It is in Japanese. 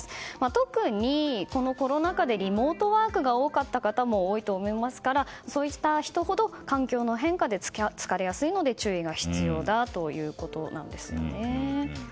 特に、このコロナ禍でリモートワークが多かった方も多いと思いますからそういった人ほど環境の変化で疲れやすいので注意が必要だということなんです。